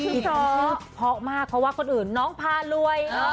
ชื่อชอชื่อพร้อมมากเพราะว่าคนอื่นน้องพารวยเออ